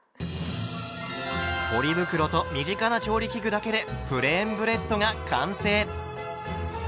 ポリ袋と身近な調理器具だけでプレーンブレッドが完成。